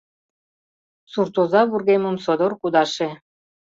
Суртоза вургемым содор кудаше.